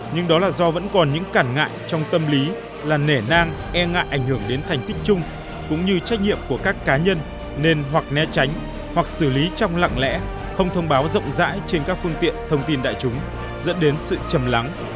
nhưng đó là do vẫn còn những cản ngại trong tâm lý là nể nang e ngại ảnh hưởng đến thành tích chung cũng như trách nhiệm của các cá nhân nên hoặc né tránh hoặc xử lý trong lặng lẽ không thông báo rộng rãi trên các phương tiện thông tin đại chúng dẫn đến sự chầm lắng